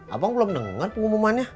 abang belum denger pengumumannya